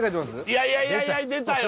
いやいやいや出たよ